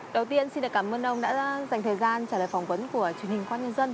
đầu tiên xin cảm ơn ông đã dành thời gian trả lời phỏng vấn của truyền hình công an nhân dân